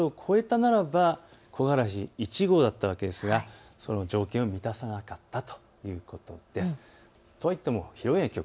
東京の最大風速が７メートル、これが８メートルを超えたならば木枯らし１号だったわけですがその条件は満たさなかったということです。